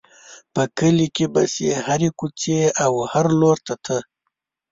په کلي کې به چې هرې کوڅې او هر لوري ته ته.